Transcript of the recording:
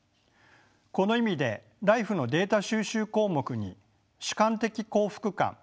この意味でＬＩＦＥのデータ収集項目に主観的幸福感